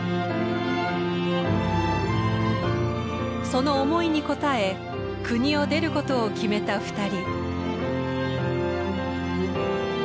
その思いに応え国を出ることを決めた二人。